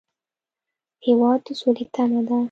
هېواد د سولې تمه ده.